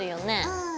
うん。